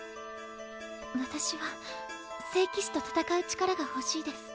私は聖騎士と戦う力が欲しいです。